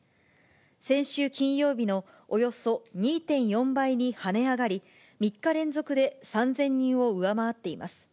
先週金曜日のおよそ２．４倍に跳ね上がり、３日連続で３０００人を上回っています。